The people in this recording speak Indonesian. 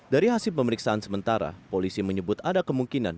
dari hasil pemeriksaan sementara polisi menyebut ada kemungkinan